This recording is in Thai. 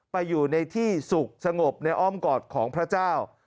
ไปอยู่ในที่สุขสงบในอ้อมกอดของพระเจ้า